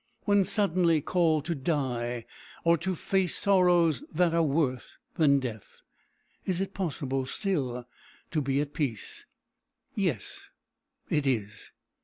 When suddenly called to die, or to face sorrows that are worse than death, is it possible still to be at peace? Yes, it is.